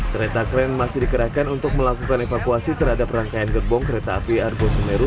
kereta kren masih dikerahkan untuk melakukan evakuasi terhadap rangkaian gerbong kereta api argo semeru